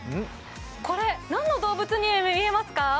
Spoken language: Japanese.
これ、何の動物に見えますか？